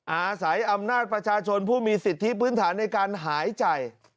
อาศัยอำนาจประชาชนผู้มีสิทธิพื้นฐานในการหายใจ